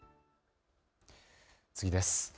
次です。